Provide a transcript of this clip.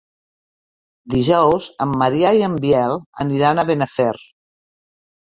Dijous en Maria i en Biel aniran a Benafer.